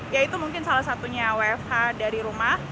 ya itu mungkin salah satunya wfh dari rumah